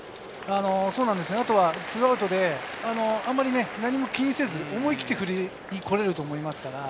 アウトであまり何も気にせず思い切って振りに来れると思います。